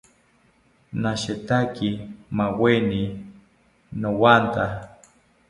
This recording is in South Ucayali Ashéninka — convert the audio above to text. Nashetaki maaweni nowatha